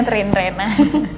ntar dia ngerin rinah